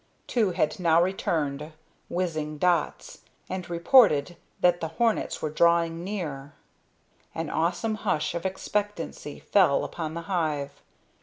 Two had now returned whizzing dots and reported that the hornets were drawing near. An awesome hush of expectancy fell upon the hive.